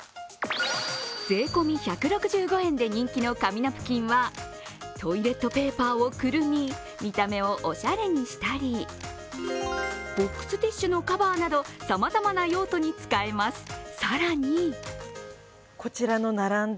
税込み１６５円で人気の紙ナプキンはトイレットペーパーをくるみ、見た目をおしゃれにしたり、ボックスティッシュのカバーなどさまざまな用途に使えます。